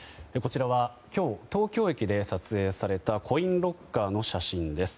今日、東京駅で撮影されたコインロッカーの写真です。